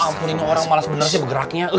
ampun ini orang malas bener sih bergeraknya